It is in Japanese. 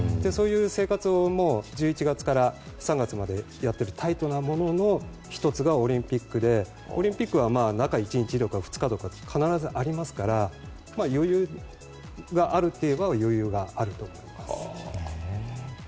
そういう生活を１１月から３月までやってタイトなものの１つがオリンピックでオリンピックは中１日とか２日とか必ずありますから余裕があるといえば余裕があると思います。